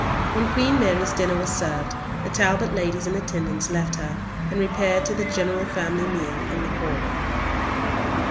When Queen Mary's dinner was served, the Talbot ladies in attendance left her and repaired to the general family meal in the hall.